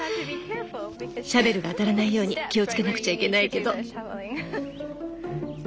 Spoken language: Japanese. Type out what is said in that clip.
シャベルが当たらないように気をつけなくちゃいけないけど。